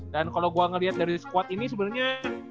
dan kalo gua ngeliat dari squad ini sebenernya